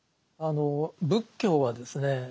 仏教はですね